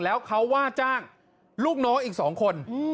แล้วเขาว่าจ้างลูกน้องอีก๒คน